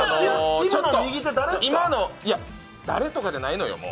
今の誰とかじゃないのよ、もう。